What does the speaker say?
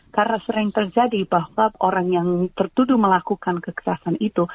karena sering terjadi bahwa orang yang tertuduh melakukan kekerasan itu